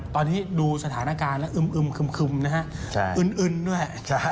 ตอนนี้ดูสถานการณ์แล้วอึมคึมนะฮะอึนด้วย